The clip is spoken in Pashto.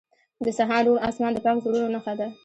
• د سهار روڼ آسمان د پاک زړونو نښه ده.